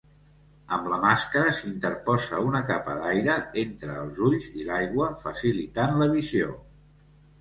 Amb la màscara s'interposa una capa d'aire entre els ulls i l'aigua, facilitant la visió.